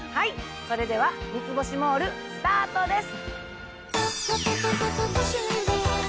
それでは『三ツ星モール』スタートです。